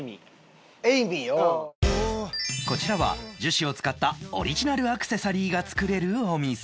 こちらは樹脂を使ったオリジナルアクセサリーが作れるお店